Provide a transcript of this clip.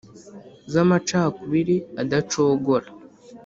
z’amacakubiri adacogora